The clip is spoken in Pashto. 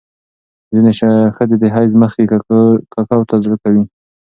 ځینې ښځې د حیض مخکې ککو ته زړه کوي.